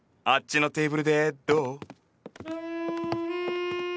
あっちのテーブルでどう？